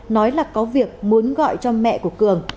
nói là có việc muốn gọi cho mẹ của cường